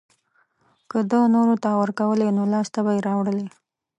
که ده نورو ته ورکولی نو لاسته به يې راوړلی.